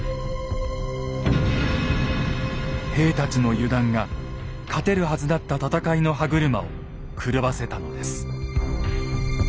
兵たちの油断が勝てるはずだった戦いの歯車を狂わせたのです。